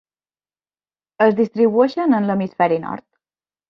Es distribueixen en l'Hemisferi Nord.